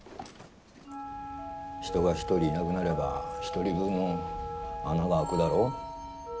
人が１人いなくなれば１人分穴が開くだろ？